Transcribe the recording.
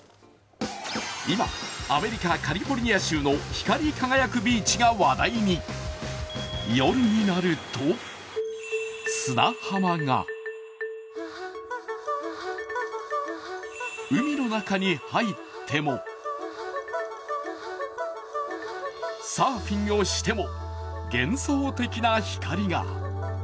今、アメリカ・カリフォルニア州の光り輝くビーチが話題に、夜になると砂浜が海の中に入ってもサーフィンをしても、幻想的な光が。